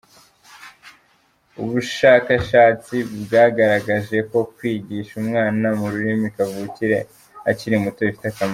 Ubushakashatsi bwagaragaje ko kwigisha umwana mu rurimi kavukire akiri muto bifite akamaro.